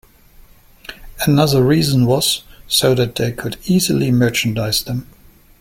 Another reason was so that they could easily merchandise them.